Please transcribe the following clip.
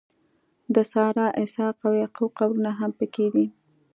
د سارا، اسحاق او یعقوب قبرونه هم په کې دي.